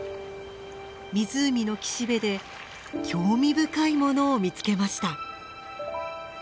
湖の岸辺で興味深いものを見つけました。